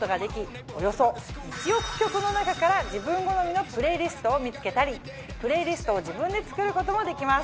およそ１億曲の中から自分好みのプレイリストを見つけたりプレイリストを自分で作ることもできます。